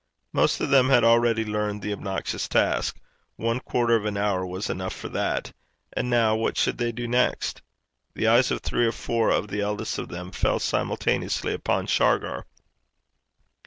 Most of them had already learned the obnoxious task one quarter of an hour was enough for that and now what should they do next? The eyes of three or four of the eldest of them fell simultaneously upon Shargar.